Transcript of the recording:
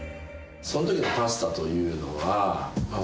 その時のパスタというのはまあ